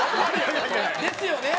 ですよね？